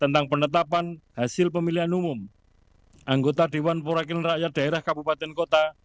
tentang penetapan hasil pemilihan umum anggota dewan perwakilan rakyat daerah kabupaten kota